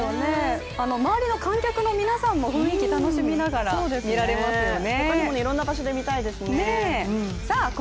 周りの観客の皆さんも雰囲気楽しみながら見られますよね。